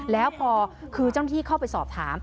แล้วพอคือเจ้าหน้าที่เข้าไปสอบถาม